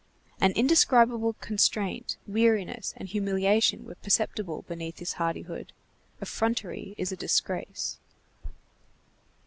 An indescribable constraint, weariness, and humiliation were perceptible beneath this hardihood. Effrontery is a disgrace.